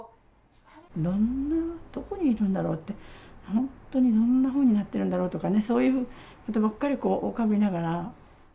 どんな所にいるんだろうって、本当にどんなふうになってるんだろうとかね、そういうことばっかり、浮かびながら。